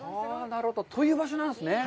という場所なんですね。